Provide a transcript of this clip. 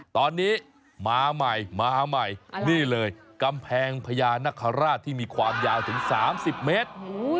ตอนนี้มาใหม่มาใหม่นี่เลยกำแพงพญานคราชที่มีความยาวถึง๓๐เมตร